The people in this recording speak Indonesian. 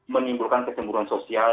menimbulkan kecemburan sosial